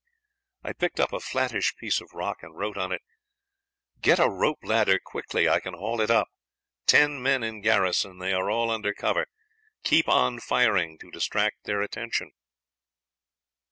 "I picked up a flattish piece of rock and wrote on it, 'Get a rope ladder quickly, I can haul it up. Ten men in garrison. They are all under cover. Keep on firing to distract their attention.'